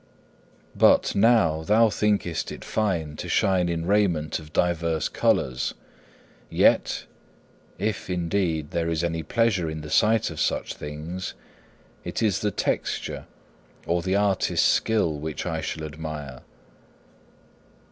But, now, thou thinkest it fine to shine in raiment of divers colours; yet if, indeed, there is any pleasure in the sight of such things it is the texture or the artist's skill which I shall admire.